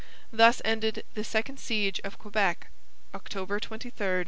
Thus ended the second siege of Quebec (October 23, 1690).